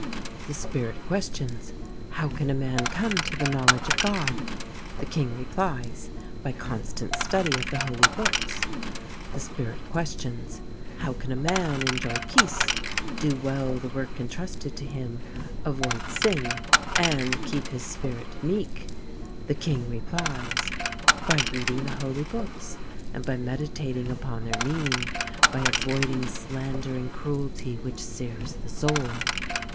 The Spirit questions : How can a man come to the knowledge of God ? The King replies: By constant study of the holy books. The Spirit questions : How can a man enjoy peace, do well the work entrusted to him, avoid sin, and keep his spirit meek ? The King replies: By reading the holy books and by meditating upon their meaning, by avoiding slander and cruelty, which sears the soul.